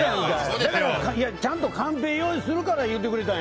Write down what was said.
だからちゃんとカンペ用意するからって言ってくれたんや。